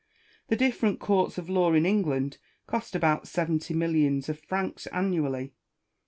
The different courts of law in England cost about seventy mil lions of francs annually.